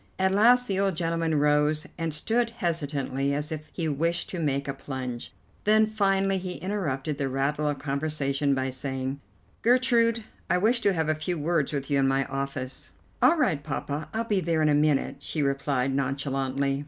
At last the old gentleman rose, and stood hesitating, as if he wished to make a plunge; then, finally, he interrupted the rattle of conversation by saying: "Gertrude, I wish to have a few words with you in my office." "All right, Poppa, I'll be there in a minute," she replied nonchalantly.